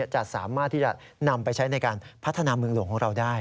จะสามารถที่จะนำไปใช้ในการพัฒนาเมืองหลวงของเราได้